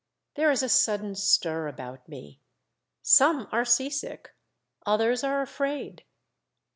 There is a sudden stir about me. Some are sea sick, others are afraid.